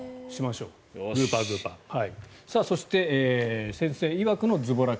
そして先生いわくのずぼら